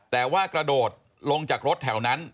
แต่ว่ากระโดดลงจากรถแถวนั้น